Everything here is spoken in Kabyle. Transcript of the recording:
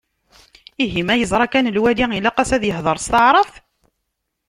Ihi ma yeẓra kan lwali, ilaq-as ad yehder s taɛrabt?